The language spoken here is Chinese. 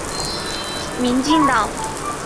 民进党和新党的立法院席次均告萎缩。